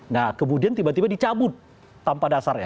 nah kemudian tiba tiba dicabut tanpa dasarnya